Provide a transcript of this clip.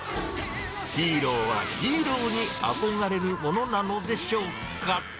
ヒーローはヒーローに憧れるものなのでしょうか。